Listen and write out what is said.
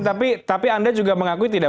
tapi anda juga mengakui tidak